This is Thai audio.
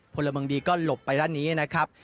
พลเมืองดีก็หลบไปด้านนี้นะครับ